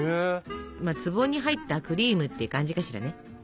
「壺に入ったクリーム」って感じかしらね。